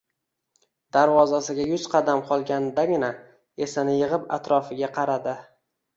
Darvozasiga yuz qadam qolgandagina, esini yig‘ib atrofiga qaradi